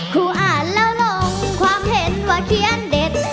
ครูอ่านแล้วลงความเห็นว่าเขียนเด็ด